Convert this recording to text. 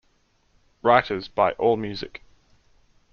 Writers by Allmusic.